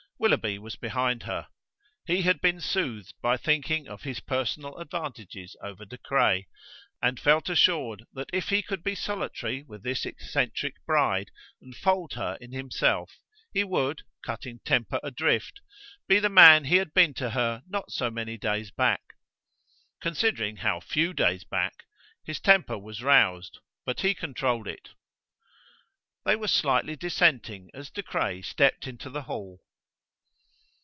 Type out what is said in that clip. Willoughby was behind her. He had been soothed by thinking of his personal advantages over De Craye, and he felt assured that if he could be solitary with his eccentric bride and fold her in himself, he would, cutting temper adrift, be the man he had been to her not so many days back. Considering how few days back, his temper was roused, but he controlled it. They were slightly dissenting as De Craye stepped into the hall.